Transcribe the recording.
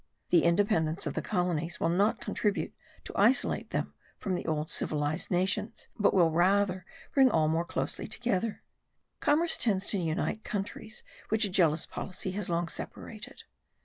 The independence of the colonies will not contribute to isolate them from the old civilized nations, but will rather bring all more closely together. Commerce tends to unite countries which a jealous policy has long separated.